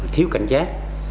thiếu cảnh giác